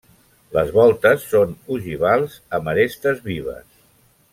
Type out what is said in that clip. Les voltes són ogivals amb arestes vives.